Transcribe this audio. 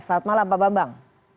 selamat malam pak bambang